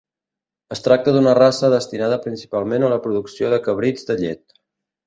Es tracta d'una raça destinada principalment a la producció de cabrits de llet.